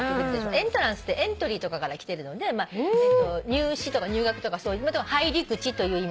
「エントランス」って「エントリー」とかから来てるので入試とか入学とかまたは入り口という意味。